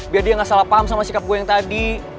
biar dia nggak salah paham sama sikap gue yang tadi